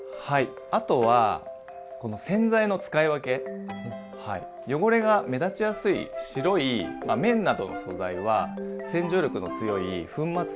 はいあとは洗剤の使い分け汚れが目立ちやすい白い綿などの素材は洗浄力の強い粉末洗剤。